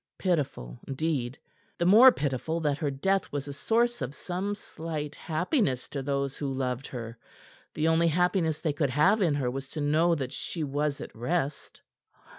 "Pitiful, indeed the more pitiful that her death was a source of some slight happiness to those who loved her; the only happiness they could have in her was to know that she was at rest."